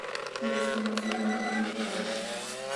Se desconoce dónde fue enterrado.